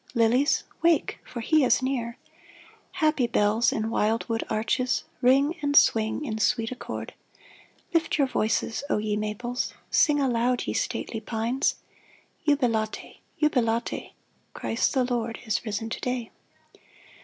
Lilies, wake — for he is near ! Happy bells in wild wood arches, Ring and swing in sweet accord ! Lift your voices, O ye maples. Sing aloud, ye stately pines, Jubilate ! Jubilate ! Christ the Lord is risen to day